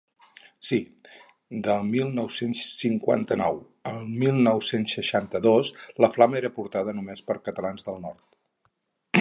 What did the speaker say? Sí, del mil nou-cents cinquanta-nou al mil nou-cents seixanta-dos la flama era portada només per catalans del nord.